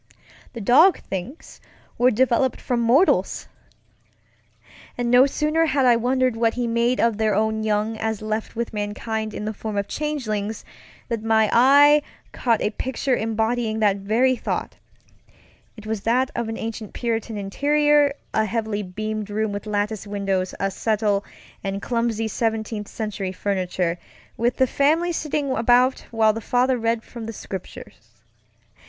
The dog things were developed from mortals! And no sooner had I wondered what he made of their own young as left with mankind in the form of changelings, than my eye caught a picture embodying that very thought. It was that of an ancient Puritan interiorŌĆöa heavily beamed room with lattice windows, a settle, and clumsy Seventeenth Century furniture, with the family sitting about while the father read from the Scriptures.